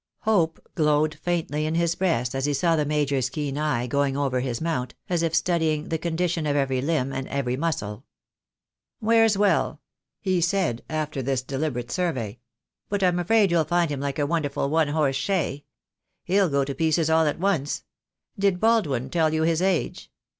Hope glowed faintly in his breast as he saw the Major's keen eye going over his mount, as if studying the condition of every limb and every muscle. "Wears well," he said, after this deliberate survey, "but I'm afraid you'll find him like the wonderful one horse shay. He'll go to pieces all at once. Did Baldwin tell you his age?"